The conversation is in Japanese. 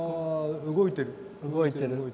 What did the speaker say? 動いてる。